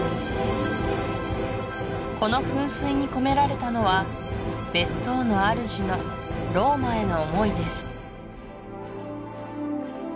この噴水に込められたのは別荘の主のローマへの思いです